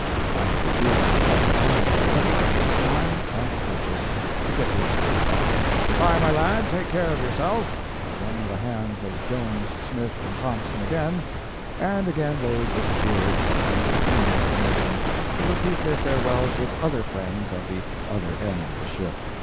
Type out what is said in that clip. I had refused him a dozen times already, but this time I purchased, to get rid of him. "Good bye, my lad, take care of yourself!" I wrung the hands of Jones, Smith, and Thompson, again, and again they disappeared through the human commotion, to repeat their farewells with other friends at the other end of the ship.